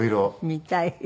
見たい。